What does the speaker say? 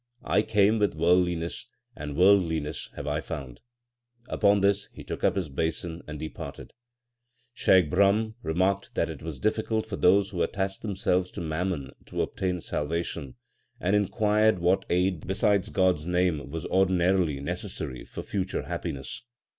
I came with worldliness, and worldliness have I found. Upon this he took up his basin and departed. Shaikh Brahm remarked that it was difficult for those who attached themselves to mammon to obtain salvation, and inquired what aid besides God s name was ordinarily necessary for future happiness.